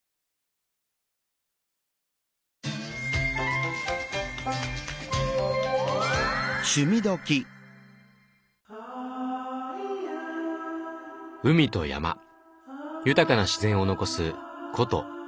海と山豊かな自然を残す古都鎌倉。